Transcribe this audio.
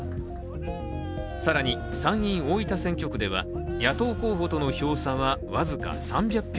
更に、参院・大分選挙区では野党候補との票差は僅か３００票